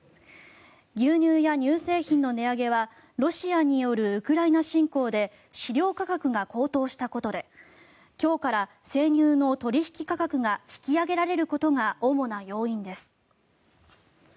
牛乳や乳製品の値上げはロシアによるウクライナ侵攻で飼料価格が高騰したことで今日から生乳の取引価格が引き上げられることが主な要因です。